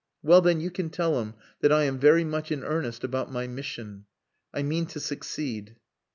"Well, then, you can tell him that I am very much in earnest about my mission. I mean to succeed."